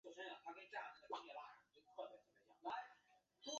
本列表为贝宁驻中华人民共和国历任大使名录。